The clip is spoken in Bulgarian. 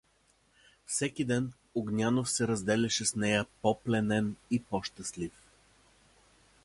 Всеки ден Огнянов се разделяше с нея по-пленен и по-щастлив.